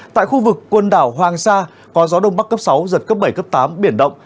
tại khu vực quần đảo hoàng sa có gió đông bắc cấp sáu giật cấp bảy tám biển động